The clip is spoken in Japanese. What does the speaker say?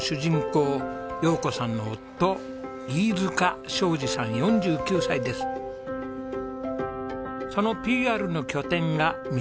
陽子さんの夫そのＰＲの拠点が道の駅